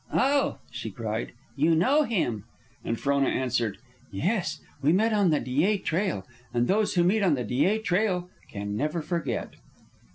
"Oh!" she cried. "You know him!" And Frona answered, "Yes, we met on the Dyea Trail; and those who meet on the Dyea Trail can never forget."